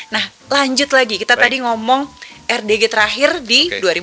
nah lanjut lagi kita tadi ngomong rdg terakhir di dua ribu dua puluh